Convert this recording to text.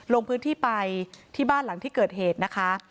ลงพื้นที่ไปที่บ้านหลังที่เกิดเหตุนะคะ